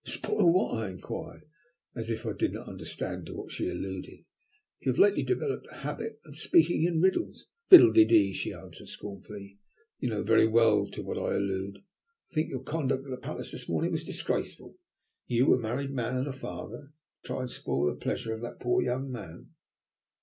"Spoil what?" I inquired, as if I did not understand to what she alluded. "You have lately developed a habit of speaking in riddles." "Fiddle de dee!" she answered scornfully, "you know very well to what I allude. I think your conduct at the Palace this morning was disgraceful. You, a married man and a father, to try and spoil the pleasure of that poor young man."